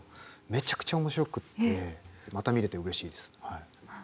めちゃくちゃ面白くってまた見れてうれしいです。